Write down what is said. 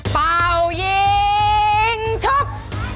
ป่าวยิ่งชบ